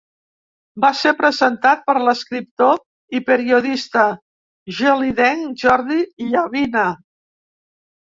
Va ser presentat per l'escriptor i periodista gelidenc Jordi Llavina.